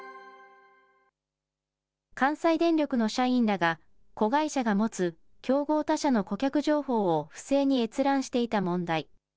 関西電力の社員らが、子会社が持つ競合他社の顧客情報を不正に閲覧していた問題。